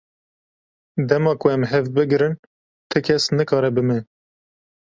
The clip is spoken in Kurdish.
Dema ku em hev bigrin ti kes nikare bi me.